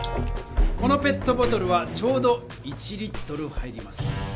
このペットボトルはちょうど１入ります。